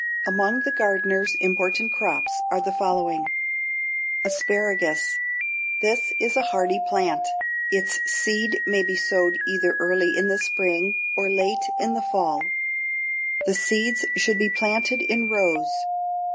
Among the gardener's important crops are the following: =Asparagus.= This is a hardy plant. Its seed may be sowed either early in the spring or late in the fall. The seeds should be planted in rows.